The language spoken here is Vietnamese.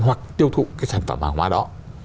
hoặc tiêu thụ cái sản phẩm hàng hóa đó